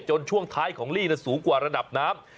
ช่วงท้ายของลี่สูงกว่าระดับน้ำ